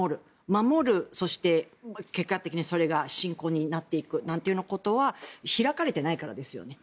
守るそして結果的にそれが侵攻になっていくようなことは開かれていないからですね。